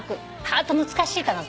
ハート難しいかな？